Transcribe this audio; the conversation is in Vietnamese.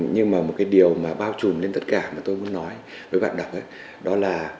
nhưng một điều bao trùm lên tất cả mà tôi muốn nói với bạn đọc đó là